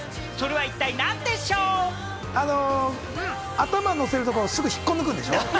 頭乗せるところ、すぐ引っこ抜くんでしょ？